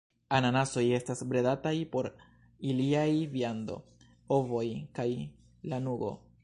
Anasoj estas bredataj por iliaj viando, ovoj, kaj lanugo.